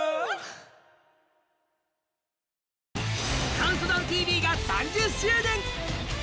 「ＣＤＴＶ」が３０周年